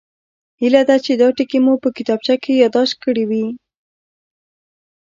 هیله ده چې دا ټکي مو په کتابچو کې یادداشت کړي وي